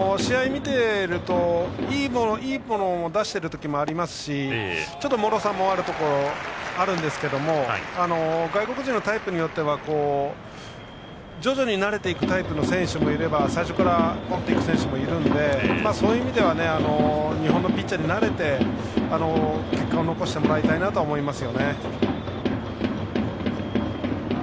試合を見ているといいものを出しているところもありますしもろさがあるところもありますけども外国人のタイプによっては徐々に慣れていくタイプの選手もいれば最初から慣れている選手もいるのでそういう意味では日本のピッチャーに慣れて結果を残してもらいたいなと思いますよね。